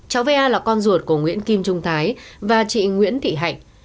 cháu va là con ruột của nguyễn kim trung thái và chị nguyễn thị hạnh